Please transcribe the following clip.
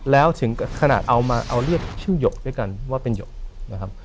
แล้วถึงขนาดเอามาเอาเรียกชื่อหยกด้วยกันว่าเป็นหยกนะครับ